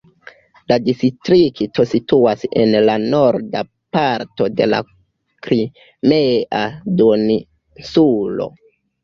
La distrikto situas en la norda parto de la Krimea duoninsulo.